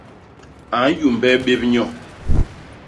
A nyumbe bép nyo.